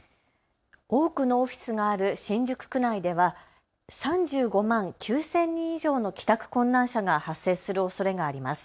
多くのオフィスがある新宿区内では３５万９０００人以上の帰宅困難者が発生するおそれがあります。